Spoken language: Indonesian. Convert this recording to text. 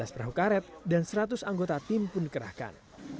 tiga belas perahu karet dan seratus anggota tim pun dikerahkan